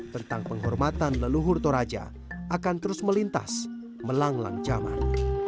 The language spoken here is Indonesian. tentang penghormatan leluhur toraja akan terus melintas melanglang zaman